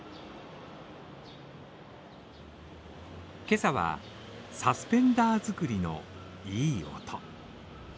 今朝はサスペンダー作りのいい音。